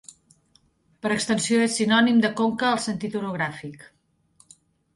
Per extensió és sinònim de conca al sentit orogràfic.